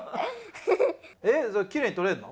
えっきれいに取れるの？